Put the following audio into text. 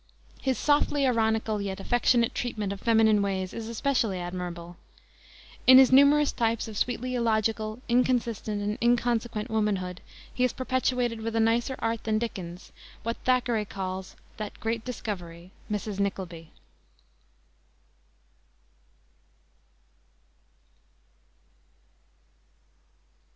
His softly ironical yet affectionate treatment of feminine ways is especially admirable. In his numerous types of sweetly illogical, inconsistent, and inconsequent womanhood he has perpetuated with a nicer art than Dickens what Thackeray calls "that great discovery," Mrs. Nickleby.